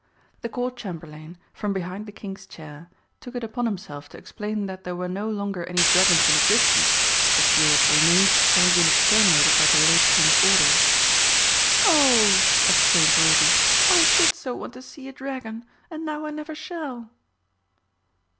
The Court Chamberlain, from behind the King's chair, took it upon himself to explain that there were no longer any dragons in existence, the few that remained having been exterminated by the late King's orders. "Oh!" exclaimed Ruby, "I did so want to see a dragon! And now I never shall!"